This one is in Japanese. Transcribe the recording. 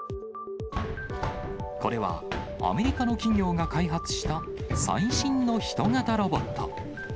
これはアメリカの企業が開発した最新の人型ロボット。